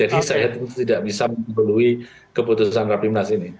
jadi saya tidak bisa mendahului keputusan rapimnas ini